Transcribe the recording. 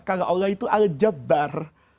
kalau allah itu al jabbar